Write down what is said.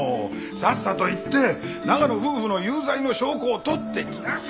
さっさと行って長野夫婦の有罪の証拠を取ってきなさい。